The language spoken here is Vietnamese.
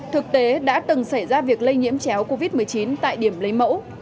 thực tế đã từng xảy ra việc lây nhiễm chéo covid một mươi chín tại điểm lấy mẫu